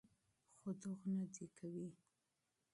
خو دغومره دې کوي،